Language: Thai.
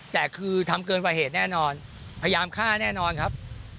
แต่คือทำเกินกว่าเหตุแน่นอนพยายามฆ่าแน่นอนครับ